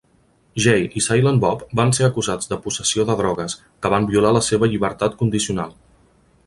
Jay i Silent Bob van ser acusats de possessió de drogues, que van violar la seva llibertat condicional.